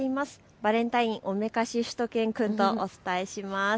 バレンタイン、おめかししゅと犬くんとお伝えします。